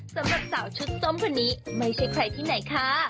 สำหรับสาวชุดส้มคนนี้ไม่ใช่ใครที่ไหนค่ะ